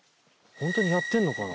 本当にやってるのかな？